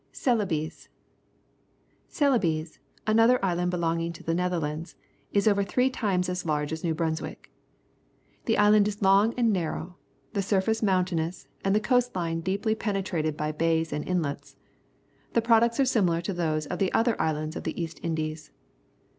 Celebes. — Celebes, another island belong ing to the Netherlands, is over three times as large as New Brunswick. The island is long and narrow, the surface mountainous, and the co£ist line deeply penetrated by bays and inlets. The products are similar to those of the other islands of the East Indies.